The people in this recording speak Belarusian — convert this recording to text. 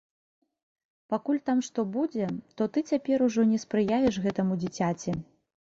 Пакуль там што будзе, то ты цяпер ужо не спрыяеш гэтаму дзіцяці.